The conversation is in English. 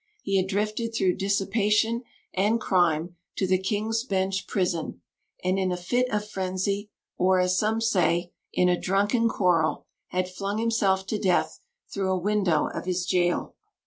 He had drifted through dissipation and crime to the King's Bench prison; and in a fit of frenzy or, as some say, in a drunken quarrel had flung himself to his death through a window of his gaol.